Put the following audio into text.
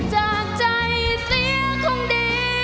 ไปจากใจเสียของดิ